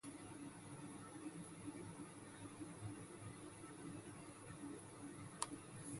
Koo ke esed ekebo ke ekịm ọyọhọ afrika ke ebọk mme ọmọn edo barasuen.